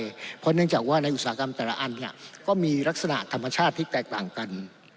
เพราะเนื่องจากว่าในอุตสาหกรรมแต่ละอันเนี่ยก็มีลักษณะธรรมชาติที่แตกต่างกัน